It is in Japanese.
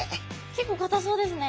結構かたそうですね。